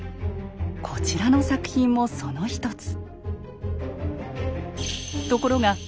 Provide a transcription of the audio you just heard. こちらの作品もその一つ。